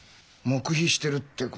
黙秘してるってことか。